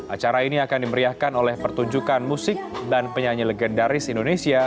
acara ini akan dimeriahkan oleh pertunjukan musik dan penyanyi legendaris indonesia